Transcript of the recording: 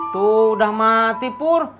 tuh udah mati pur